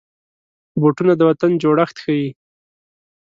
بوټونه د وطن جوړښت ښيي.